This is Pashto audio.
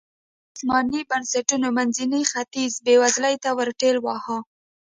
عثماني بنسټونو منځنی ختیځ بېوزلۍ ته ورټېل واهه.